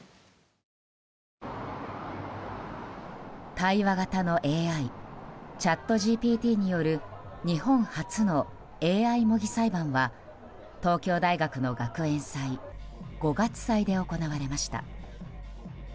対話型のＡＩチャットＧＰＴによる日本初のＡＩ模擬裁判は東京大学の学園祭五月祭で行われました。